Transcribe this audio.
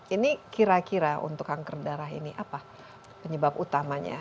ini kira kira untuk kanker darah ini apa penyebab utamanya